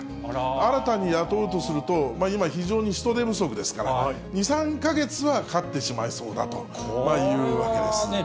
新たに雇おうとすると今、非常に人手不足ですから、２、３か月はかかってしまいそうだというわけですね。